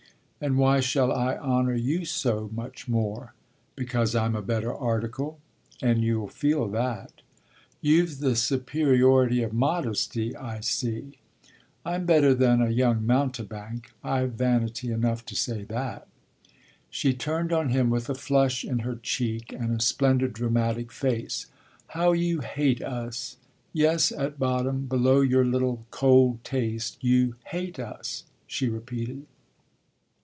"And why shall I honour you so much more?" "Because I'm a better article and you'll feel that." "You've the superiority of modesty I see." "I'm better than a young mountebank I've vanity enough to say that." She turned on him with a flush in her cheek and a splendid dramatic face. "How you hate us! Yes, at bottom, below your little cold taste, you hate us!" she repeated.